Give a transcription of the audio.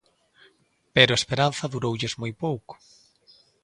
Pero a esperanza duroulles moi pouco.